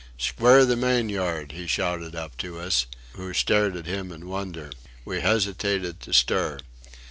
"Square the main yard!" he shouted up to us who stared at him in wonder. We hesitated to stir.